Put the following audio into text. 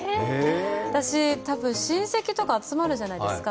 私、多分、親戚とか集まるじゃないですか。